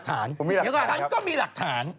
ฉันก็มีหลักฐาน